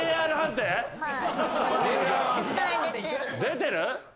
出てる？